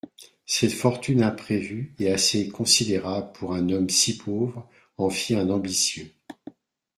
Cette fortune imprévue et assez considérable pour un homme si pauvre en fit un ambitieux.